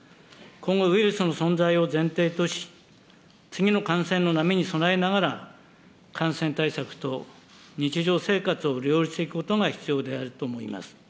今後、ウイルスの存在を前提とし、次の感染の波に備えながら、感染対策と日常生活を両立していくことが必要であると思います。